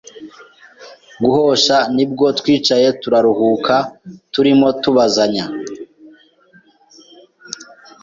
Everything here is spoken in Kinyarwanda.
guhosha nibwo twicaye turaruhuka turimo tubazanya